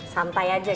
santai aja gitu